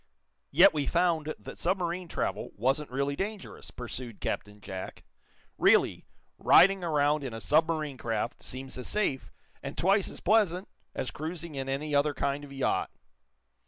"Yet we found that submarine travel wasn't really dangerous," pursued Captain Jack. "Really, riding around in a submarine craft seems as safe, and twice as pleasant, as cruising in any other kind of yacht."